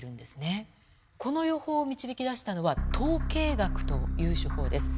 この予報を導き出したのは統計学という手法です。